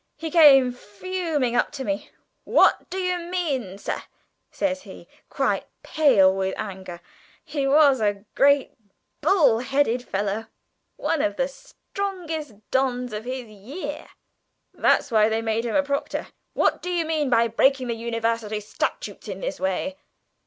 He came fuming up to me. 'What do you mean, sir,' says he, quite pale with anger (he was a great bull headed fellow, one of the strongest dons of his year, that's why they made him a Proctor) 'what do you mean by breaking the University Statutes in this way?'